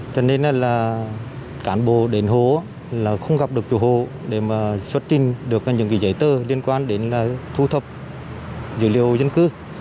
cho nên là cán bộ đến hồ là không gặp được chủ hồ để mà xuất trình được những giấy tờ liên quan đến là thu thập dữ liệu dân cư